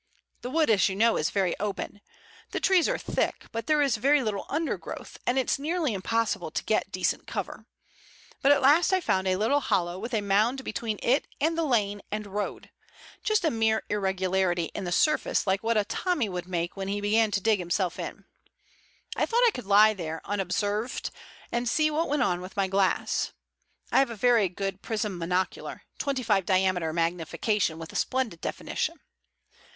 The wood, as you know, is very open. The trees are thick, but there is very little undergrowth, and it's nearly impossible to get decent cover. But at last I found a little hollow with a mound between it and the lane and road—just a mere irregularity in the surface like what a Tommy would make when he began to dig himself in. I thought I could lie there unobserved, and see what went on with my glass. I have a very good prism monocular—twenty five diameter magnification, with a splendid definition.